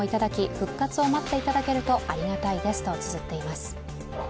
復活を待っていただけるとありがたいですとつづっています。